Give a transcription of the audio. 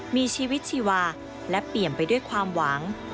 มีชีวิตชีวาและเปลี่ยนไปด้วยความหวัง